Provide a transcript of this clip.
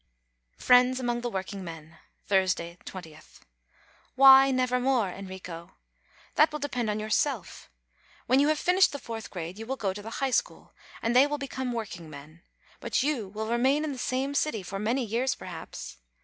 FRIENDS AMONG THE WORKINGMEN Thursday, 2Oth. Why "never more," Enrico? That will depend on yourself. When you have finished the fourth grade, you will go to the High School, and they will become work ingmen; but you will remain in the same city for many years, perhaps.